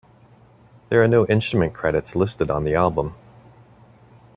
There are no instrument credits listed on the album.